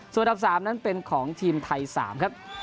ส่วนอันดับ๓นั้นเป็นของทีมไทย๓ครับ